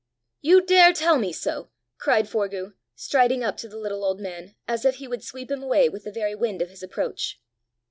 "You dare tell me so!" cried Forgue, striding up to the little old man, as if he would sweep him away with the very wind of his approach.